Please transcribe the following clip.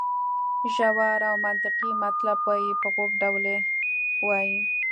ژور او منطقي مطلب وایي په خوږ ډول یې وایي.